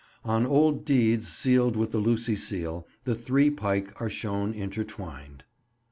On old deeds sealed with the Lucy seal the three pike are shown intertwined.